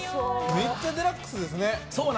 めっちゃデラックスですね。